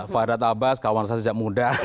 fadhad abbas kawan saya sejak muda